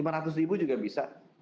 lima ratus ribu juga bisa